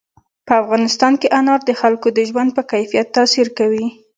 په افغانستان کې انار د خلکو د ژوند په کیفیت تاثیر کوي.